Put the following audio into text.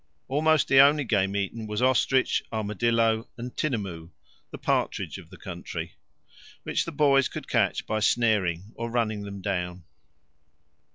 Almost the only game eaten was ostrich, armadillo, and tinamou (the partridge of the country), which the boys could catch by snaring or running them down.